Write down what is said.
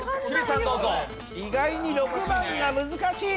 意外に６番が難しい！